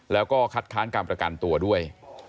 แล้วก็คัดค้านการประกันตัวด้วย